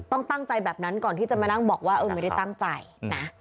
ต้องตั้งใจแบบนั้นก่อนที่จะมานั่งบอกว่าเออไม่ได้ตั้งใจนะ